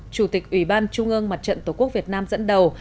chủ tịch ủy ban trung ương mặt trận tổ quốc việt nam dẫn đầu